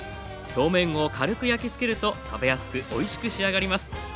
表面を軽く焼きつけると食べやすくおいしく仕上がります。